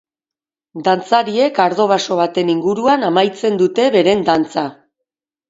Dantzariek ardo baso baten inguruan amaitzen duten beren dantza.